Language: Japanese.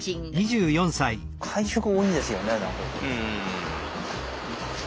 会食多いですよね。